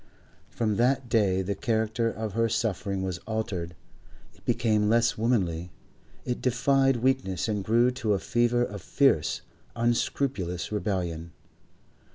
From that day the character of her suffering was altered; it became less womanly, it defied weakness and grew to a fever of fierce, unscrupulous rebellion.